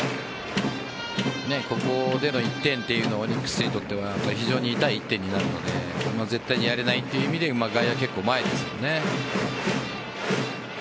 ここでの１点というのはオリックスにとっては非常に痛い１点になるので絶対にやれないという意味で外野、結構前ですね。